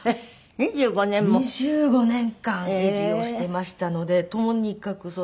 ２５年間維持をしていましたのでとにかく。